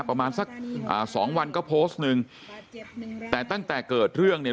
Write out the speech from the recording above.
ประมาณสักอ่าสองวันก็โพสต์หนึ่งแต่ตั้งแต่เกิดเรื่องเนี่ย